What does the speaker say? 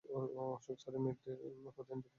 অশোক স্যারকে মিটারের হিসাব প্রতিদিন দিবি।